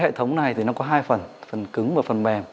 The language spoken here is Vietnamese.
hệ thống này có hai phần phần cứng và phần mềm